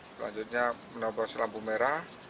selanjutnya menopos lampu merah